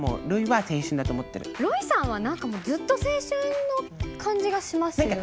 ロイさんは何かもうずっと青春の感じがしますよね。